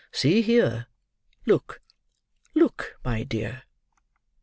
See here—look, look, my dear!"